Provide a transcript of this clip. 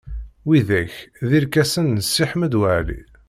Widak d irkasen n Si Ḥmed Waɛli.